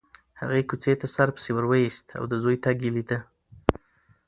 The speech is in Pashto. هغې کوڅې ته سر پسې وروایست او د زوی تګ یې لیده.